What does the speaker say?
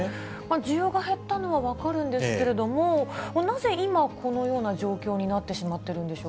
需要が減ったのは分かるんですけれども、なぜ今、このような状況になってしまってるんでしょうか。